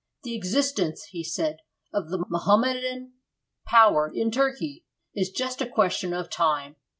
'The existence,' he said, 'of the Mohammedan power in Turkey is just a question of time.